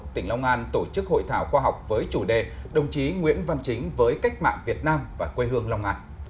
tỉnh long an tổ chức hội thảo khoa học với chủ đề đồng chí nguyễn văn chính với cách mạng việt nam và quê hương long an